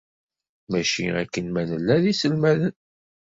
Maci akken ma nella d iselmaden.